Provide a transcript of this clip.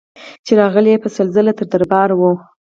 چي راغلې به سل ځله تر دربار وه